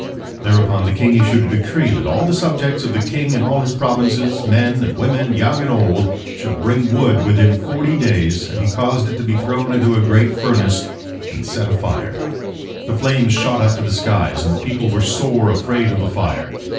Thereupon the king issued a decree that all the subjects of the king in all his provinces, men and women, young and old, should bring wood within forty days, and he caused it to be thrown into a great furnace and set afire. The flames shot up to the skies, and the people were sore afraid of the fire.